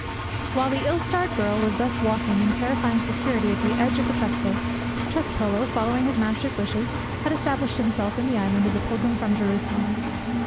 While the ill starred girl was thus walking in terrifying security at the edge of the precipice, Trespolo, following his master's wishes, had established himself in the island as a pilgrim from Jerusalem.